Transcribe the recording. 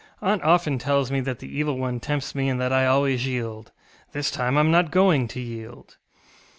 Aunt often tells me that the Evil One tempts me and that I always yield. This time IŌĆÖm not going to yield.